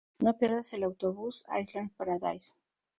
No pierdas el autobús: Island Paradise.